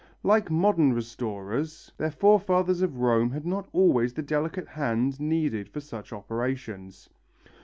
Like modern restorers, their forefathers of Rome had not always the delicate hand needed for such operations.